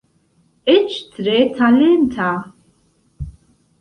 Eĉ tre talenta.